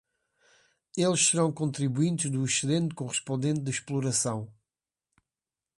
Eles serão contribuintes do excedente correspondente de exploração.